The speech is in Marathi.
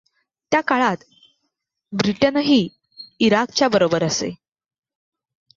त्या काळात ब्रिटनही इराकच्या बरोबर असे.